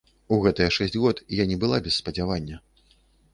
У гэтыя шэсць год я не была без спадзявання.